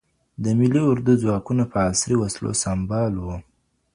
د ملي اردو ځواکونه په عصري وسلو سمبال وو.